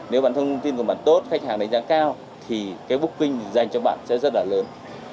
nếu bạn thông tin của bạn tốt khách hàng đánh giá cao thì cái booking dành cho bạn sẽ rất là lớn